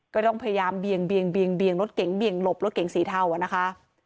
ก็ต้องพยายามเบียงเบียงเบียงเบียงรถเก๋งเบียงลบรถเก๋งสีเทาอะนะคะ